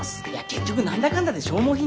結局何だかんだで消耗品の。